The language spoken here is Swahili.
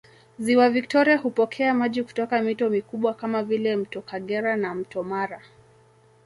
Ziwa Victoria hupokea maji kutoka mito mikubwa kama vile mto Kagera na mto Mara